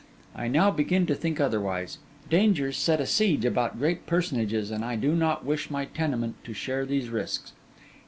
I now begin to think otherwise: dangers set a siege about great personages; and I do not wish my tenement to share these risks.